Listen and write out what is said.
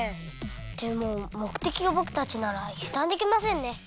でももくてきがぼくたちならゆだんできませんね。